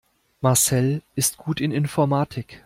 Marcel ist gut in Informatik.